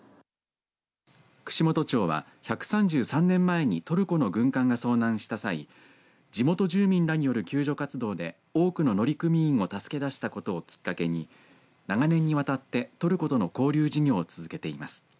串本町は、１３３年前にトルコの軍艦が遭難した際地元住民らによる救助活動で多くの乗組員を助け出したことをきっかけに長年にわたってトルコとの交流事業を続けています。